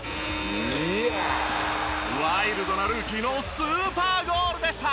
ワイルドなルーキーのスーパーゴールでした！